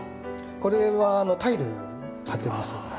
これはタイル張ってます。